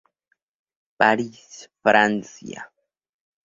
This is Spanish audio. Paris, Francia.